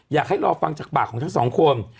อยากให้รอฟังจากปากของทั้งสองคน